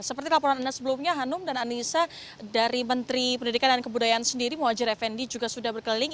seperti laporan anda sebelumnya hanum dan anissa dari menteri pendidikan dan kebudayaan sendiri muhajir effendi juga sudah berkeliling